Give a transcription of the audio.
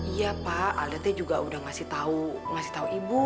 iya pak adatnya juga udah ngasih tahu ngasih tahu ibu